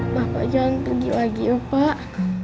bapak jangan pergi lagi pak